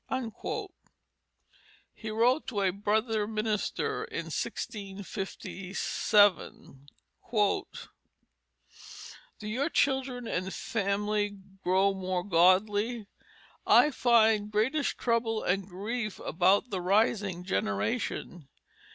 He wrote to a brother minister in 1657: "Do your children and family grow more godly? I find greatest trouble and grief about the rising generation.